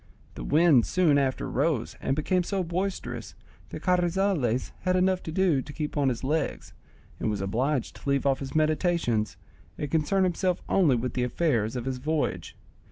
The wind soon after rose and became so boisterous that Carrizales had enough to do to keep on his legs, and was obliged to leave off his meditations, and concern himself only with the affairs of his voyage.